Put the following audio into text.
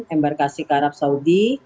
embarkasi ke arab saudi